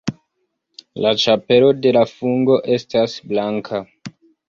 La ĉapelo de la fungo estas blanka.